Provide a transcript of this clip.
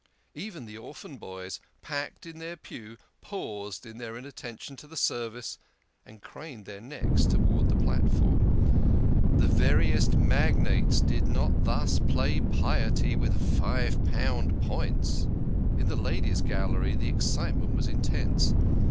Even the orphan boys, packed in their pew, paused in their inattention to the Service, and craned their necks towards the platform. The veriest magnates did not thus play piety with five pound points. In the ladies' gallery the excitement was intense.